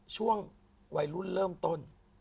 ช่วงวัยรุ่นเริ่มต้น